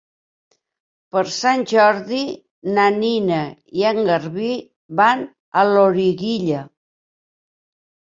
Per Sant Jordi na Nina i en Garbí van a Loriguilla.